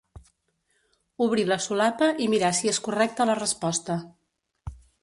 Obrir la solapa i mirar si és correcta la resposta.